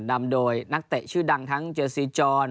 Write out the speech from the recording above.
นำโดยนักเตะชื่อดังทั้งเจซีจร